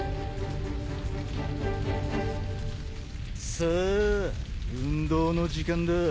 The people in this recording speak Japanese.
さあ運動の時間だ。